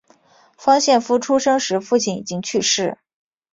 方献夫出生时父亲已经去世。